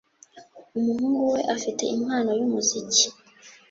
Umuhungu we afite impano yumuziki